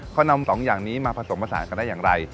เขานำสองอย่างนี้มาผสมผสานกันได้อย่างไร